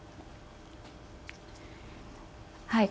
はい。